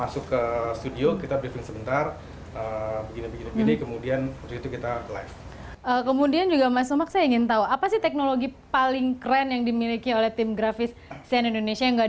seiring perkembangan teknologi informasi